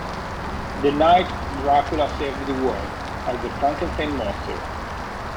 "The Night Dracula Saved the World," as the Frankenstein Monster.